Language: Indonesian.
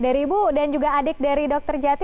dari ibu dan juga adik dari dokter jati